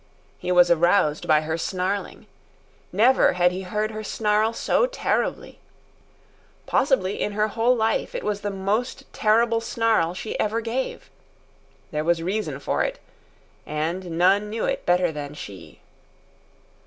He was aroused by her snarling. Never had he heard her snarl so terribly. Possibly in her whole life it was the most terrible snarl she ever gave. There was reason for it, and none knew it better than she.